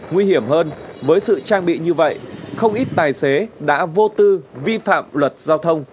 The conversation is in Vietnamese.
nguy hiểm hơn với sự trang bị như vậy không ít tài xế đã vô tư vi phạm luật giao thông